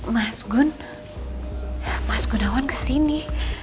mas gun mas gunawan kesini